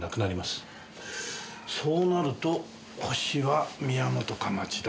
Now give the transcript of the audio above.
そうなるとホシは宮本か町田。